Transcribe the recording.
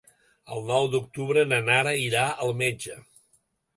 El nou d'octubre na Nara irà al metge.